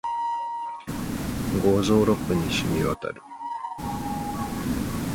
倒卵叶木莲为木兰科木莲属下的一个种。